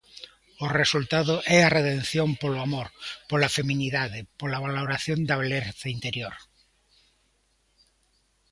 O resultado é a redención polo amor, pola feminidade, pola valoración da beleza interior.